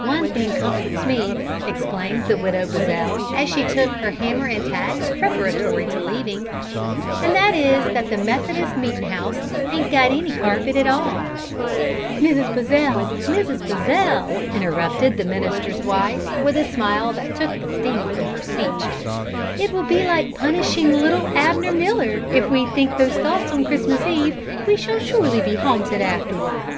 "One thing comforts me," exclaimed the Widow Buzzell, as she took her hammer and tacks preparatory to leaving; "and that is that the Methodist meetin' house ain't got any carpet at all." "Mrs. Buzzell, Mrs. Buzzell!" interrupted the minister's wife, with a smile that took the sting from her speech. "It will be like punishing little Abner Miller; if we think those thoughts on Christmas Eve, we shall surely be haunted afterward."